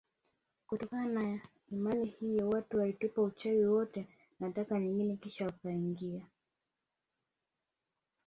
Kutokana na imani hiyo watu walitupa uchawi wote na taka nyingine kisha wakaingia